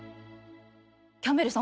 キャンベルさん